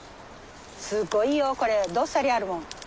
すごいよこれどっさりあるもん。